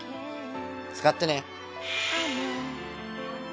使ってね！